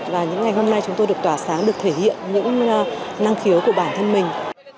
và những ngày hôm nay chúng tôi được tỏa sáng được thể hiện những năng khiếu của bản thân mình